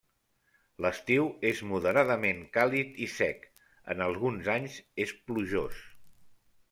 L'estiu és moderadament càlid i sec, en alguns anys és plujós.